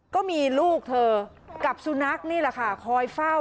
ก็มีลูกเธอกับสุนัขคอยเฝ้า